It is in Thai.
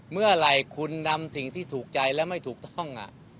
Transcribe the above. เมื่อไหร่คุณนำสิ่งที่ถูกใจและไม่ถูกต้อง